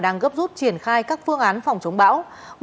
đang gấp rút triển khai các phương án phòng chống bão